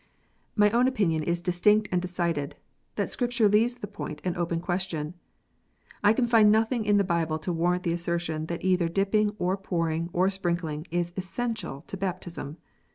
My own opinion is distinct and decided, that Scripture leaves the point an open question. I can find nothing in the Bible to warrant the assertion that either dipping, or pouring, or sprinkling, is essential to baptism.